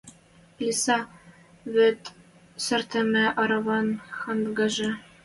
Плиса — вӹд сӓртӹмӹ араван хангажы.